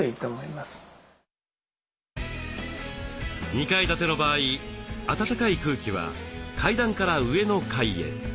２階建ての場合温かい空気は階段から上の階へ。